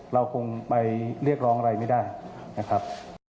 เราคงไปเรียกร้องอะไรไม่ได้นะครับ